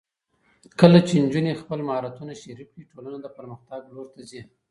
کله چې نجونې خپل مهارتونه شریک کړي، ټولنه د پرمختګ لور ته ځي.